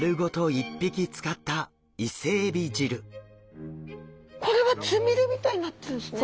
１匹使ったこれはつみれみたいになってるんですね。